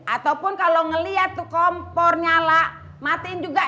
ataupun kalo ngeliat tuh kompor nyala matiin juga